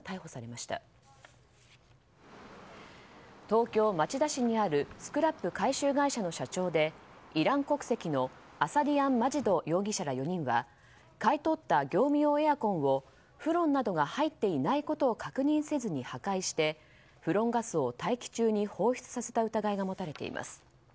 東京・町田市にあるスクラップ回収会社の社長でイラン国籍のアサディアン・マジド容疑者ら４人は買い取った業務用エアコンをフロンなどが入っていないことを確認せずに破壊してフロンガスを大気中に放出させた疑いが持たれています。